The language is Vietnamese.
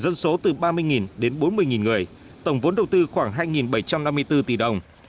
dân số từ ba mươi đến bốn mươi người tổng vốn đầu tư khoảng hai bảy trăm năm mươi bốn tỷ đồng